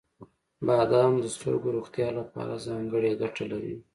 • بادام د سترګو روغتیا لپاره ځانګړې ګټه لري.